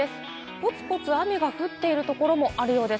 ポツポツ雨が降っているところもあるようです。